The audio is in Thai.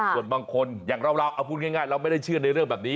ส่วนบางคนอย่างเราเราไม่ได้เชื่อในเรื่องแบบนี้